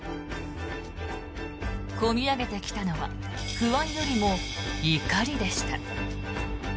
込み上げてきたのは不安よりも怒りでした。